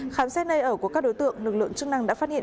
khám xét nơi ở của các đối tượng lực lượng chức năng đã phát hiện